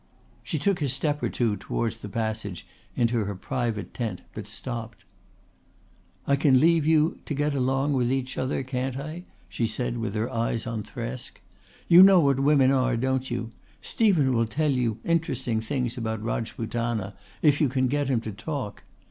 She took a step or two towards the passage into her private tent but stopped. "I can leave you to get along together alone, can't I?" she said with her eyes on Thresk. "You know what women are, don't you? Stephen will tell you interesting things about Rajputana if you can get him to talk.